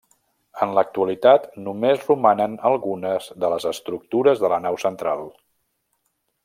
En l'actualitat només romanen algunes de les estructures de la nau central.